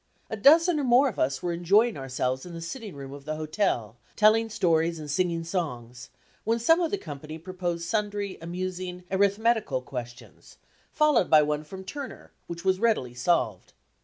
A dozen or more of us were enjoying ourselves in the sitting room of the hotel, telling stories and singing songs, when some of the company proposed sundry amusing arithmetical questions, followed by one from Turner, which was readily solved.